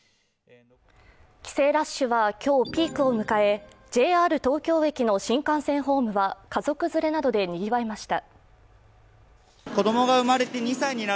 帰省ラッシュは今日、ピークを迎えＪＲ東京駅の新幹線ホームは家族連れなどでにぎわいました。